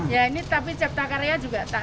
ya ini tapi cipta karya juga tak